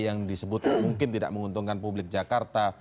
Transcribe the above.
yang disebut mungkin tidak menguntungkan publik jakarta